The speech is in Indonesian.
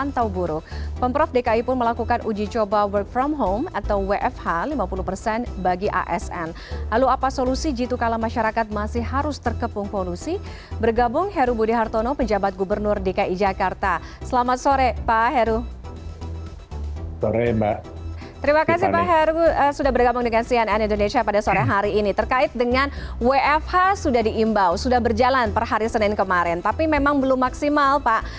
terima kasih pak heru sudah bergabung dengan cnn indonesia pada sore hari ini terkait dengan wfh sudah diimbau sudah berjalan per hari senin kemarin tapi memang belum maksimal pak